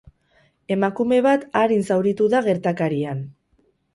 Emakume bat arin zauritu da gertakarian.